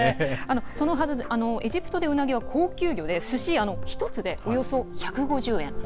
エジプトでうなぎは高級魚で、スシ１つでおよそ１５０円。